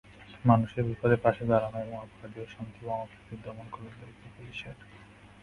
মানুষের বিপদে পাশে দাঁড়ানো এবং অপরাধী ও শান্তিভঙ্গকারীদের দমন করার দায়িত্ব পুলিশের।